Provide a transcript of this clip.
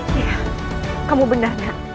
iya kamu benarnya